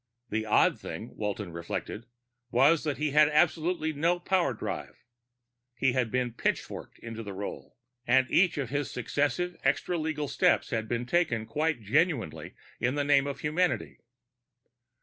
The odd thing, Walton reflected, was that he had absolutely no power drive: he had been pitchforked into the role, and each of his successive extra legal steps had been taken quite genuinely in the name of humanity.